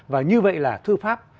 và như vậy là thư pháp